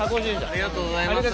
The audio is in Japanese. ありがとうございます。